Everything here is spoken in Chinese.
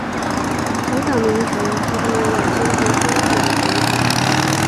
海岛民族一般也有尊崇君主的传统。